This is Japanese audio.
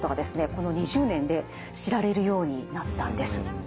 この２０年で知られるようになったんです。